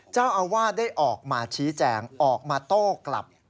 เจ้าอาวาสได้ออกมาชี้แจงออกมาโต้กลับ